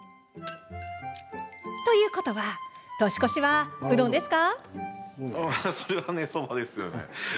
ということは年越しはうどんですか？